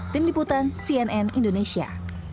tim diputan cnn indonesia